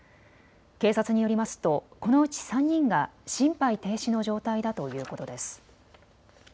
警察によりますとこのうち３人が心肺停止の状態だということです。